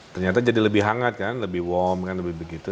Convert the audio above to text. ternyata jadi lebih hangat kan lebih worm kan lebih begitu